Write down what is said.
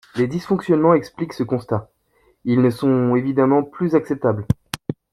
Des dysfonctionnements expliquent ce constat, ils ne sont évidemment plus acceptables.